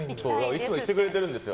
いつも言ってくれてるんです。